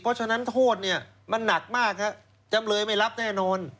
เพราะฉะนั้นโทษเนี่ยมันหนักมากฮะจำเลยไม่รับแน่นอน